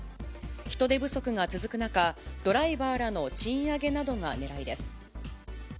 人手不足が続く中、ドライバーらの賃上げなどがねらいです。